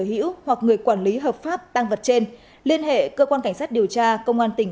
hữu hoặc người quản lý hợp pháp tăng vật trên liên hệ cơ quan cảnh sát điều tra công an tỉnh